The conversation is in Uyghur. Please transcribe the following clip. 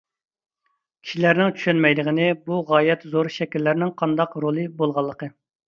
كىشىلەرنىڭ چۈشەنمەيدىغىنى بۇ غايەت زور شەكىللەرنىڭ قانداق رولى بولغانلىقى.